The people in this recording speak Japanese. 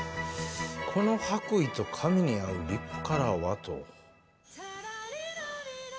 この白衣と髪に合うリップカラーはと。